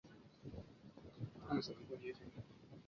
红花芒毛苣苔为苦苣苔科芒毛苣苔属下的一个种。